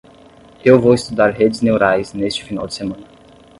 Eu vou estudar redes neurais neste final de semana.